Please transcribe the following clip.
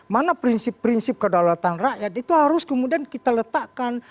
mana prinsip prinsip kedaulatan rakyat itu harus kemudian kita letakkan